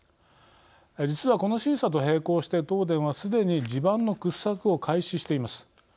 実は、この審査と並行して東電はすでに地盤の掘削を開始しています。